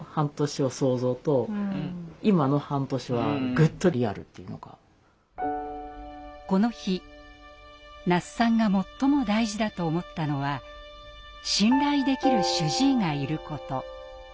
きっとうちのこの日那須さんが最も大事だと思ったのは「信頼できる主治医がいる」こと。